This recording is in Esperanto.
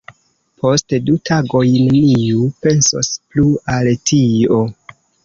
Post du tagoj neniu pensos plu al tio.